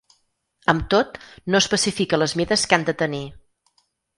Amb tot, no especifica les mides que han de tenir.